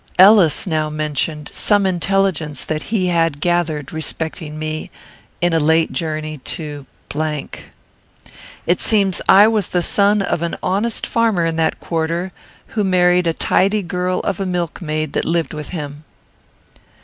Ellis now mentioned some intelligence that he had gathered respecting me in a late journey to . It seems I was the son of an honest farmer in that quarter, who married a tidy girl of a milkmaid that lived with him.